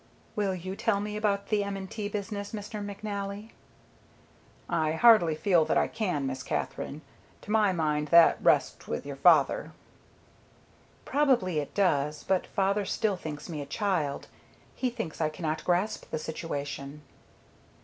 "Will you tell me about the M. & T. business, Mr. McNally?" "I hardly feel that I can, Miss Katherine. To my mind that rests with your father." "Probably it does, but father still thinks me a child. He thinks I cannot grasp the situation."